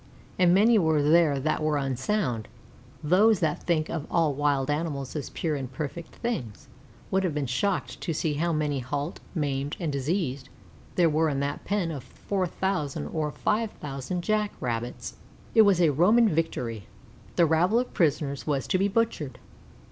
And many were there that were unsound; those that think of all wild animals as pure and perfect things, would have been shocked to see how many halt, maimed, and diseased there were in that pen of four thousand or five thousand Jack rabbits. It was a Roman victory the rabble of prisoners was to be butchered.